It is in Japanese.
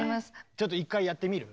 ちょっと１回やってみる？